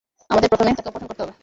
আমাদের প্রথমে তাকে অপহরণ করতে হবে।